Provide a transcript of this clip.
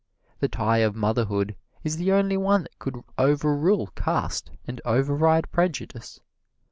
The tie of motherhood is the only one that could over rule caste and override prejudice.